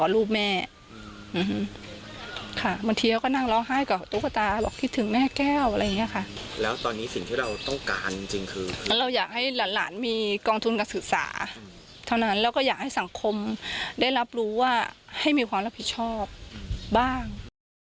แล้วตอนนี้สิ่งที่เราต้องการจริงคือเราอยากให้หลานมีกองทุนการศึกษาเท่านั้นแล้วก็อยากให้สังคมได้รับรู้ว่าให้มีความรับผิดชอบบ้าง